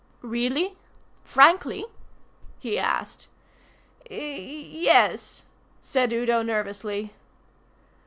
"Really frankly?" he asked. "Y yes," said Udo nervously.